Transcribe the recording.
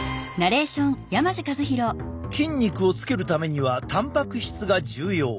筋肉をつけるためにはたんぱく質が重要。